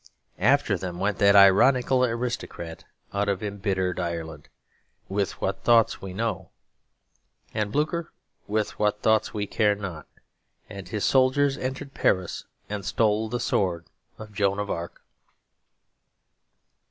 After them went that ironical aristocrat out of embittered Ireland, with what thoughts we know; and Blucher, with what thoughts we care not; and his soldiers entered Paris, and stole the sword of Joan of Arc.